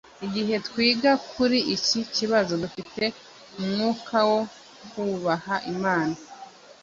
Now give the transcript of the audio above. igihe twiga kuri iki kibazo dufite umwuka wo kubaha imana